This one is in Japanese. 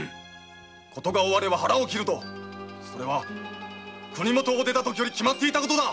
事が終れば腹を切るとそれは国元を出た時よりきまっていた事だ。